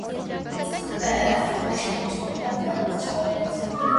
Բացասական և ոչ ամբողջ թվերը բնական չեն համարվում։